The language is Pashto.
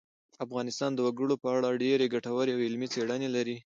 افغانستان د وګړي په اړه ډېرې ګټورې او علمي څېړنې لري.